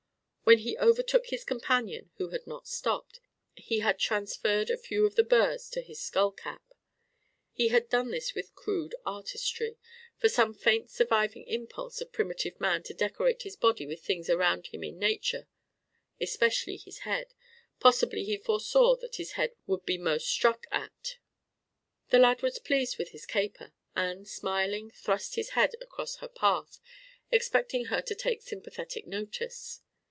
When he overtook his companion, who had not stopped, he had transferred a few of the burrs to his skull cap. He had done this with crude artistry from some faint surviving impulse of primitive man to decorate his body with things around him in nature: especially his head (possibly he foresaw that his head would be most struck at). The lad was pleased with his caper; and, smiling, thrust his head across her path, expecting her to take sympathetic notice.